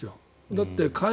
だって